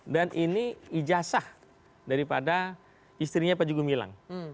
dan ini ijasa daripada istrinya panjegu milang